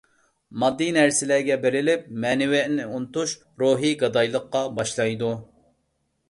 ماددىي نەرسىلەرگە بېرىلىپ مەنىۋىيەتنى ئۇنتۇش روھىي گادايلىققا باشلايدۇ.